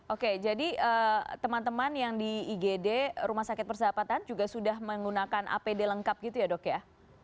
oke jadi teman teman yang di igd rumah sakit persahabatan juga sudah menggunakan apd lengkap gitu ya dok ya